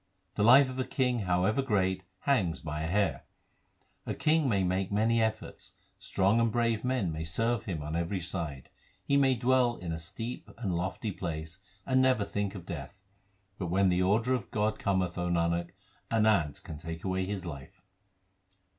The life of a king, however great, hangs by a hair : A king may make many efforts ; strong and brave men may serve him on every side ; He may dwell in a steep and lofty place, and never think of death ; But when the order of God cometh, O Nanak, an ant can take away his life.